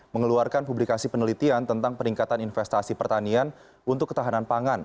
mengeluarkan publikasi penelitian tentang peningkatan investasi pertanian untuk ketahanan pangan